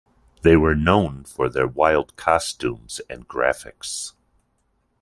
They were known for their wild costumes and graphics.